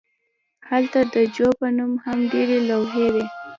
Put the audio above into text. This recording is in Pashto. هلته د جو په نوم هم ډیرې لوحې وې